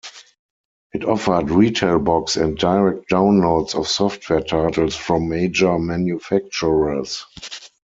It offered retail box and direct downloads of software titles from major manufacturers.